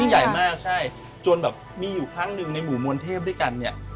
ใหญ่มากใช่จนแบบมีอยู่ครั้งหนึ่งในหมู่มวลเทพด้วยกันเนี่ย